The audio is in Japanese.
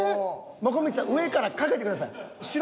もこみちさん上からかけてください。